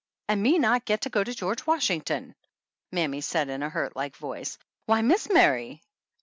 "And me not to get to go to George Wash ington!" mammy said in a hurt like voice. "Why, Mis' Mary!"